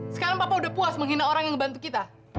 sekarang papa udah puas menghina orang yang membantu kita